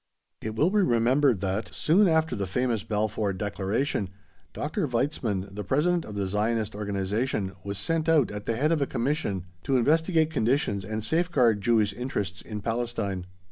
It will be remembered that, soon after the famous Balfour Declaration, Dr. Weizmann, the President of the Zionist Organisation, was sent out at the head of a Commission to investigate conditions and safeguard Jewish interests in Palestine.